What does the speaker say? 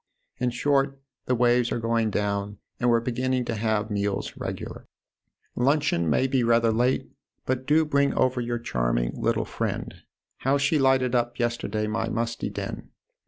In short the waves are going down and we're beginning to have our meals ' regular.' Luncheon may be rather late, but do bring over your charming little friend. How she lighted up yesterday my musty den